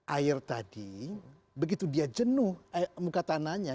air tadi begitu dia jenuh muka tanahnya